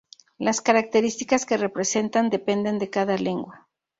Las características que representan dependen de cada lengua.